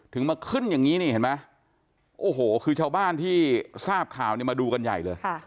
มาขึ้นอย่างนี้นี่เห็นไหมโอ้โหคือชาวบ้านที่ทราบข่าวเนี่ยมาดูกันใหญ่เลย